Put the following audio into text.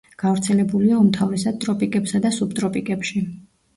გავრცელებულია უმთავრესად ტროპიკებსა და სუბტროპიკებში.